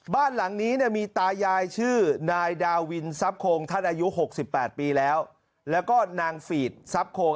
บ้านหลังนี้เนี่ยมีตายายชื่อนายดาวินทรัพย์โคงท่านอายุ๖๘ปีแล้วแล้วก็นางฟีดซับโคง